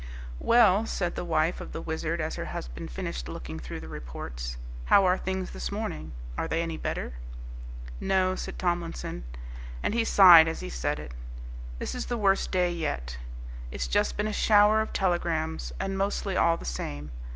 "Well," said the wife of the Wizard as her husband finished looking through the reports, "how are things this morning? Are they any better?" "No," said Tomlinson, and he sighed as he said it; "this is the worst day yet. It's just been a shower of telegrams, and mostly all the same.